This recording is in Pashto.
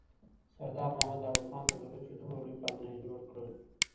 سردار محمد داود خان ته درود چي دومره لوی پلانونه یې جوړ کړل.